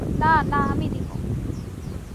না, না আমি দিব।